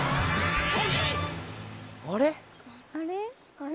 あれ？